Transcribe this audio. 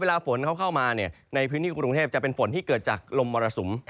เวลาฝนเข้ามาเนี่ยในพื้นที่กรุงกรุงเทพจะเป็นฝนที่เกิดจากลมมรสุม